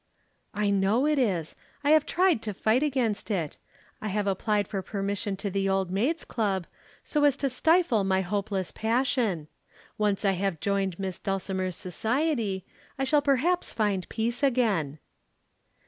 "I know it is. I have tried to fight against it. I have applied for admission to the Old Maids' Club, so as to stifle my hopeless passion. Once I have joined Miss Dulcimer's Society, I shall perhaps find peace again."